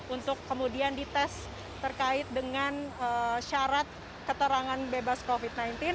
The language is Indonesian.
untuk kemudian dites terkait dengan syarat keterangan bebas covid sembilan belas